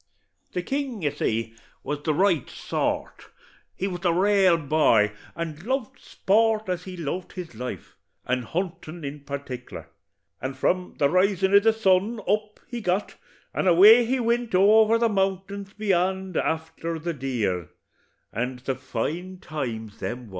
The king, you see, was the right sort; he was the rale boy, and loved sport as he loved his life, and huntin' in partic'lar; and from the risin' o' the sun, up he got, and away he wint over the mountains beyant afther the deer; and the fine times them wor.